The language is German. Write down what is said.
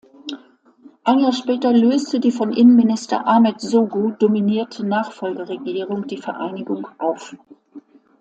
Ein Jahr später löste die von Innenminister Ahmet Zogu dominierte Nachfolgeregierung die Vereinigung auf.